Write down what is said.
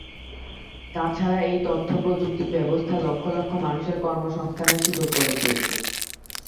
তাছাড়া এই তথ্য প্রযুক্তি ব্যবস্থা লক্ষ লক্ষ মানুষের কর্মসংস্থানের সুযোগ করে দিয়েছে।